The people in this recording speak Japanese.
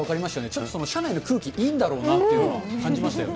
ちょっと社内の空気、いいんだろうなというの感じましたよね。